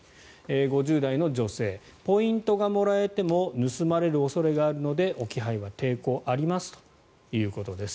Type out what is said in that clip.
５０代女性ポイントがもらえても盗まれる恐れがあるので置き配は抵抗がありますということです。